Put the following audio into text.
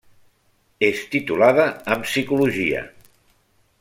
És titulada en psicologia.